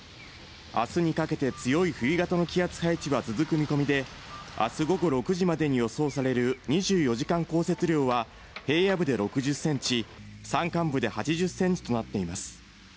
明日にかけて強い冬型の気圧配置は続く見込みで、明日午後６時までに予想される２４時間降雪量は平野部で６０ｃｍ、山間部で８０ｃｍとなっています。